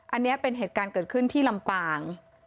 อันนี้เป็นเหตุการณ์เกิดขึ้นที่ลำปาง